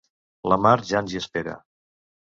La Mar ja ens hi espera.